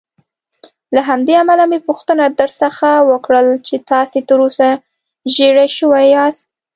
له همدې امله مې پوښتنه درڅخه وکړل چې تاسې تراوسه ژېړی شوي یاست.